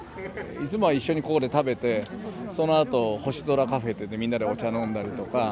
いつもは一緒にここで食べてそのあと星空カフェっていってみんなでお茶飲んだりとか。